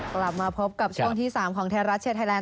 กลับมาพบกับช่วงที่๓ของไทยรัฐเชียร์ไทยแลน